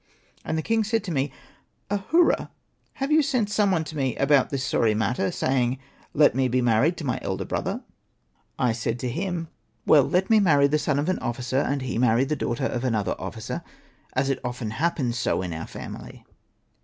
And the king said to me, ' Ahura, have you sent some one to me about this sorry matter, saying, '^ Let me be married to my elder brother" ?' I said to him, ' Well, let me marry the son Hosted by Google AHURA'S TALE 91 of an officer, and he marry the daughter of another officer, as it often happens so in our family.'